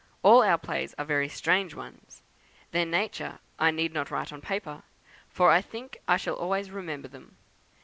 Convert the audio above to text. All our plays are very strange ones. Their nature I need not write on paper, for I think I shall always remember them.